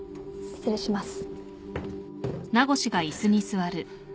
失礼します。